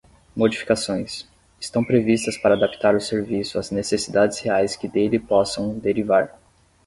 Modificações: estão previstas para adaptar o serviço às necessidades reais que dele possam derivar.